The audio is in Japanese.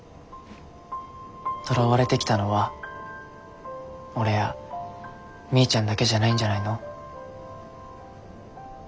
とらわれてきたのは俺やみーちゃんだけじゃないんじゃないの？